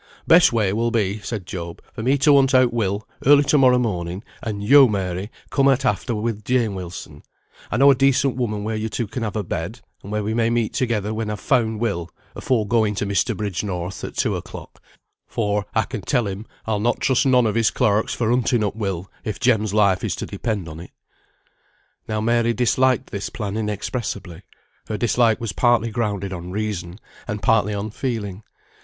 "Best way will be," said Job, "for me to hunt out Will, early to morrow morning, and yo, Mary, come at after with Jane Wilson. I know a decent woman where yo two can have a bed, and where we may meet together when I've found Will, afore going to Mr. Bridgenorth's at two o'clock; for, I can tell him, I'll not trust none of his clerks for hunting up Will, if Jem's life is to depend on it." Now Mary disliked this plan inexpressibly; her dislike was partly grounded on reason, and partly on feeling.